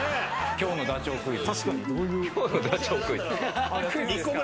今日のダチョウクイズ。